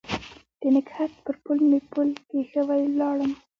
د نګهت پر پل مې پل کښېښوی ولاړم